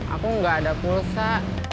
aku gak ada pulsa